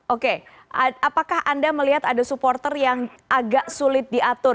oke apakah anda melihat ada supporter yang agak sulit diatur